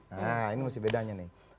nah ini masih bedanya nih